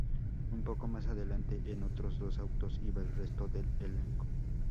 Un poco más adelante, en otros dos autos iba el resto del elenco.